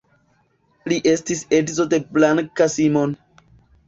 Li estis edzo de Blanka Simon.